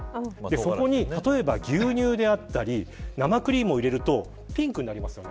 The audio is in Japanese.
そこに例えば、牛乳や生クリームを入れるとピンクになりますよね。